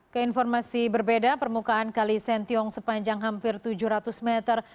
keinformasi berbeda permukaan kalisentiong sepanjang hampir tujuh ratus meter